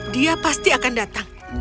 dia pasti akan datang